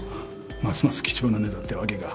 ますます貴重なネタってわけか。